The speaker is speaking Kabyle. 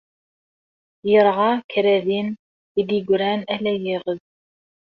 Yerɣa kra din, i d-yegran ala iɣed.